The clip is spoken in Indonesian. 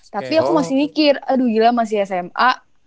tapi aku masih mikir aduh gila masih sma